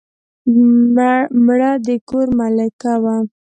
مړه د کور ملکه وه